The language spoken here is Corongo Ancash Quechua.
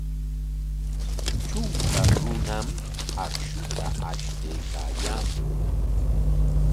Trunka runam akshuta ashtaykaayaamun.